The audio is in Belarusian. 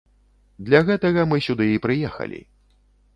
Для гэтага мы сюды і прыехалі.